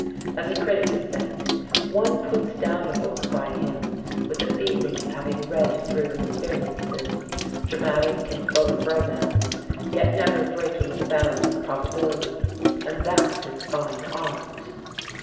As a critic has said, "One puts down a book by him with a feeling of having read through experiences, dramatic and full of romance, yet never breaking the bounds of probability and that is fine art."